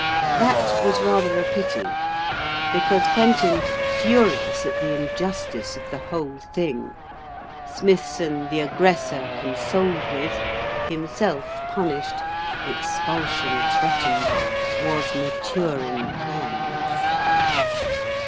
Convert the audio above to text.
That was rather a pity. Because Quentin, furious at the injustice of the whole thing Smithson, the aggressor, consoled with; himself punished; expulsion threatened was maturing plans.